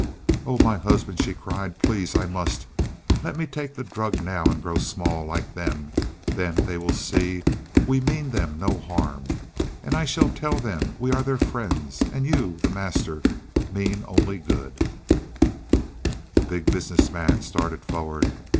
"Oh, my husband," she cried. "Please, I must. Let me take the drug now and grow small like them. Then will they see we mean them no harm. And I shall tell them we are their friends and you, the Master, mean only good " The Big Business Man started forward.